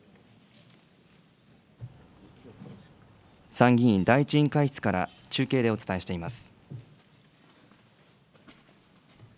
参議院第１委員会室から中継でお伝えしています。